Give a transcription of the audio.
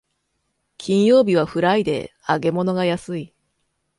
金曜日はフライデー、揚げ物が安い